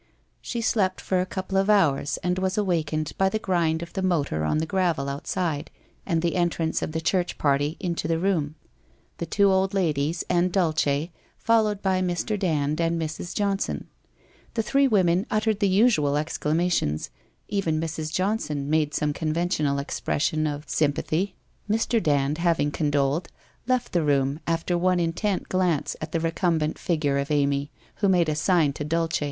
She slept for a couple of hours and was awakened by the grind of the motor on the gravel outside and the en trance of the church party into the room — the two old ladies and Dulce followed by Mr. Dand, and Mrs. Johnson. The three women uttered the usual exclamations, even Mrs. Johnson made some conventional expression of sym 341 342 WHITE ROSE OF WEARY LEAF pathy. Mr. Dand having condoled, left the room after one intent glance at the recumbent figure of Amy, who made a sign to Dulce.